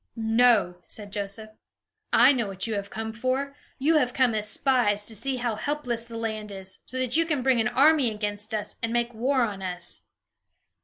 "No," said Joseph, "I know what you have come for. You have come as spies, to see how helpless the land is, so that you can bring an army against us, and make war on us."